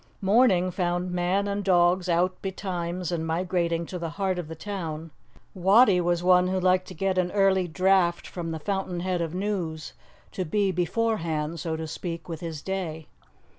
Morning found man and dogs out betimes and migrating to the heart of the town. Wattie was one who liked to get an early draught from the fountain head of news, to be beforehand, so to speak, with his day.